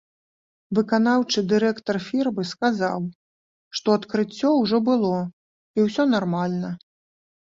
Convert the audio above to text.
Выканаўчы дырэктар фірмы сказаў, што адкрыццё ужо было і ўсё нармальна.